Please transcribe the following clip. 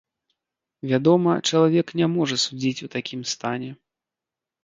Вядома, чалавек не можа судзіць у такім стане.